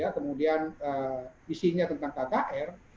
kemudian isinya tentang kkr